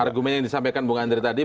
argumen yang disampaikan bung andri tadi